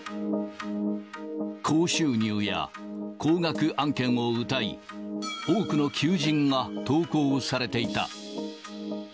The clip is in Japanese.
高収入や高額案件をうたい、多くの求人が投稿されていた。